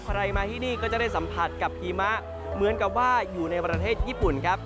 ใครมาที่นี่ก็จะได้สัมผัสกับหิมะเหมือนกับว่าอยู่ในประเทศญี่ปุ่นครับ